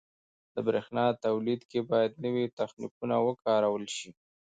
• د برېښنا تولید کې باید نوي تخنیکونه وکارول شي.